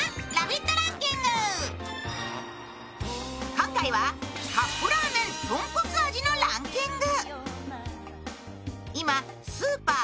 今回はカップラーメンとんこつ味のランキング。